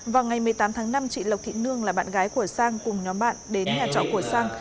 vào ngày một mươi tám tháng năm chị lộc thị nương là bạn gái của sang cùng nhóm bạn đến nhà trọ của sang